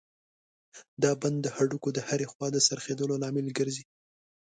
دا بند د هډوکو د هرې خوا د څرخېدلو لامل ګرځي.